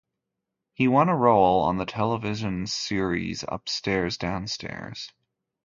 He won a role on the television series "Upstairs, Downstairs".